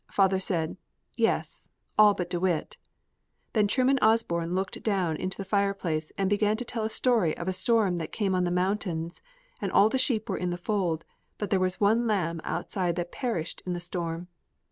Father said: "Yes, all but De Witt." Then Truman Osborne looked down into the fireplace, and began to tell a story of a storm that came on the mountains, and all the sheep were in the fold; but there was one lamb outside that perished in the storm.